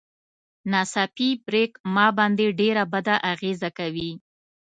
ناڅاپي بريک ما باندې ډېره بده اغېزه کوي.